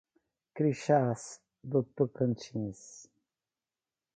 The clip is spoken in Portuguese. Crixás do Tocantins